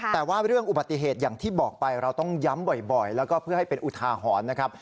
แต่ว่าเรื่องอุบัติเหตุอย่างที่บอกไปเราต้องย้ำบ่อยแล้วก็เพื่อให้เป็นอุทาหรณ์นะครับ